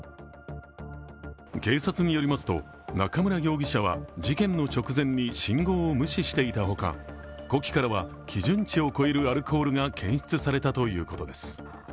警察によりますと、中村容疑者は事件の直前に信号を無視していたほか呼気からは基準値を超えるアルコールが検出されたということです。